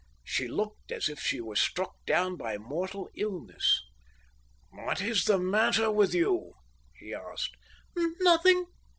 She looked as if she were struck down by mortal illness. "What is that matter with you?" he asked. "Nothing."